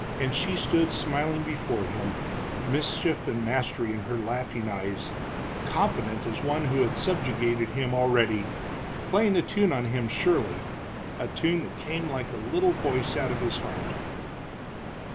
And she stood smiling before him, mischief and mastery in her laughing eyes, confident as one who had subjugated him already, playing a tune on him, surely a tune that came like a little voice out of his heart.